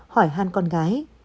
hỏi hàn con gái